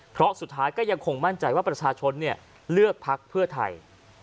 เพราะสุดท้ายก็ยังคงมั่นใจว่าประชาชนเลือกพักเพื่อไทย